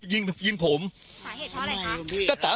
ทีโทรโดยยิงตาย